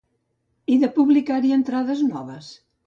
I de publicar-hi entrades noves?